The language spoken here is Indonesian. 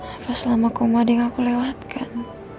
apa selama kumading aku lewatkan